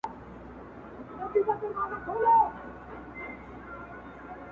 • خدای به د وطن له مخه ژر ورک کړي دا شر_